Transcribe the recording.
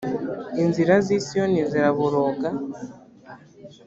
inzira z i siyoni ziraboroga